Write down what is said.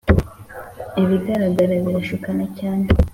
ibigaragara birashukana cyane